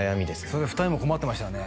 それ２人も困ってましたよね